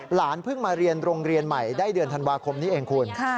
หลานเพิ่งมาเรียนโรงเรียนใหม่ได้เดือนธันวาคมนี้เองคุณ